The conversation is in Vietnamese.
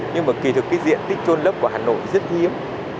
nhưng mà kỳ thực cái diện tích trôn lấp của hà nội rất hiếm